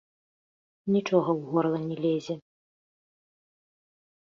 Нічога ў горла не лезе.